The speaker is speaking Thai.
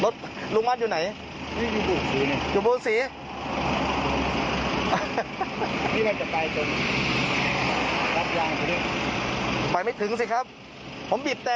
ถือไม่จอด